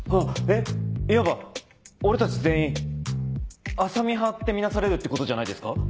えっいわば俺たち全員浅海派って見なされるってことじゃないですか。